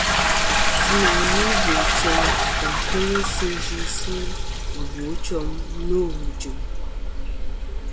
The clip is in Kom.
Sɨ nà ghɨ bòchoŋ và kel sɨ yɨsɨ ghɨbochoŋ nô ghɨ̀jɨ̀m.